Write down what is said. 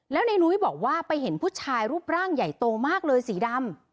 แล้วในนุ้ยบอกว่าไปเห็นผู้ชายรูปร่างใหญ่โตมากเลยสีดำ